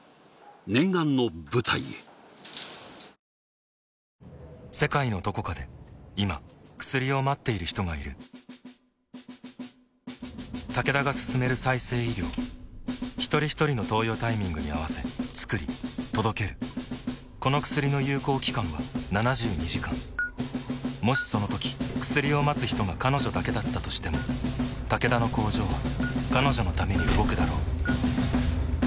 念願の舞台へ世界のどこかで今薬を待っている人がいるタケダが進める再生医療ひとりひとりの投与タイミングに合わせつくり届けるこの薬の有効期間は７２時間もしそのとき薬を待つ人が彼女だけだったとしてもタケダの工場は彼女のために動くだろう